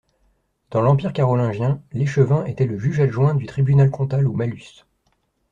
Dans l'empire carolingien, l'échevin était le juge adjoint du tribunal comtal ou mallus.